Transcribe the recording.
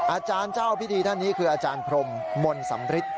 อาจารย์เจ้าพิธีท่านนี้คืออาจารย์พรมมนต์สำริท